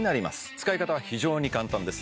使い方は非常に簡単です